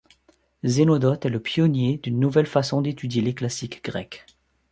Zénodote est le pionnier d'une nouvelle façon d'étudier les classiques grecs.